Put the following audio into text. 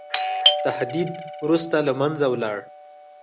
تهدید وروسته له منځه ولاړ.